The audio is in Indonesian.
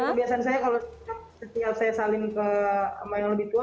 kebiasaan saya kalau setiap saya saling ke sama yang lebih tua